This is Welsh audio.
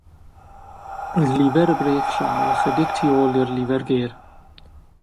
Roedd lifer y brêc llaw ychydig y tu ôl i'r lifer gêr.